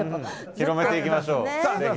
広めていきましょうぜひぜひ。